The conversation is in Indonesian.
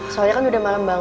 soalnya kan udah malam banget